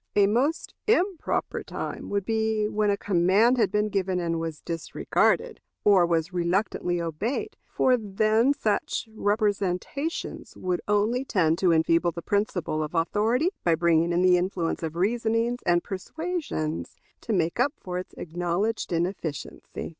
A most improper time would be when a command had been given and was disregarded, or was reluctantly obeyed; for then such representations would only tend to enfeeble the principle of authority by bringing in the influence of reasonings and persuasions to make up for its acknowledged inefficiency.